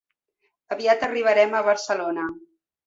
Aviat arribarem a Barcelona.